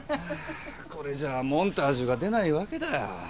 これじゃモンタージュが出ないわけだよ。